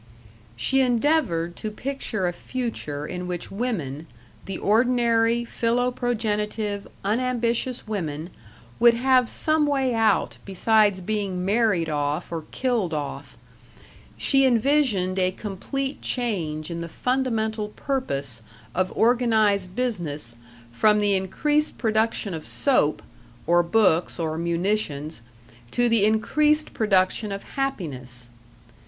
She endeavored to picture a future in which women, the ordinary, philoprogenitive, unambitious women, would have some way out besides being married off or killed off. She envisioned a complete change in the fundamental purpose of organized business from the increased production of soap or books or munitions to the increased production of happiness.